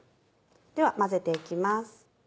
では混ぜて行きます。